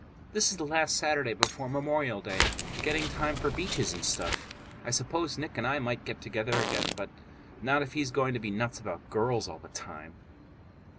This is the last Saturday before Memorial Day. Getting time for beaches and stuff. I suppose Nick and I might get together again, but not if he's going to be nuts about girls all the time.